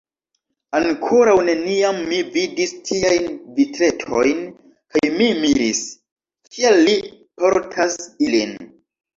Ankoraŭ neniam mi vidis tiajn vitretojn kaj mi miris, kial li portas ilin.